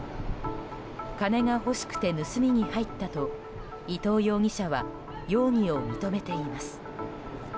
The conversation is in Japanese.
金が欲しくて盗みに入ったと伊藤容疑者は容疑を認めています。